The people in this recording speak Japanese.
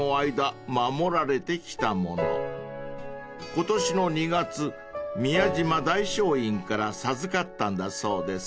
［今年の２月宮島大聖院から授かったんだそうです］